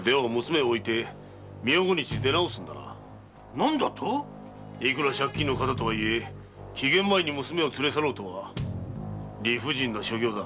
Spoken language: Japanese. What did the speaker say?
何だと⁉いくら借金の形とはいえ期限前に娘を連れ去ろうとは理不尽な所業だ。